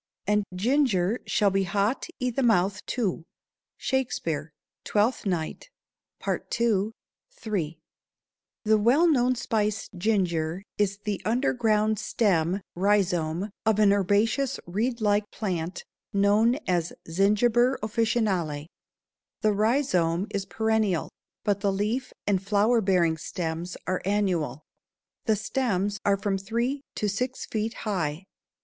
"And ginger shall be hot i' the mouth, too." Shakespeare, Twelfth Night, II., 3. The well known spice ginger is the underground stem (rhizome) of an herbaceous reed like plant known as Zingiber officinale. The rhizome is perennial, but the leaf and flower bearing stems are annual. The stems are from three to six feet high.